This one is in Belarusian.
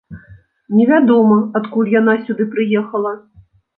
Невядома, адкуль яна сюды прыехала?